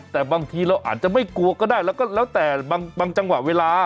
แต่บางทีเราอาจจะไม่กลัวก็ได้แล้วก็แล้วแต่บางจังหวะเวลา